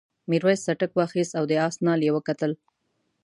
میرويس څټک واخیست او د آس نال یې وکتل.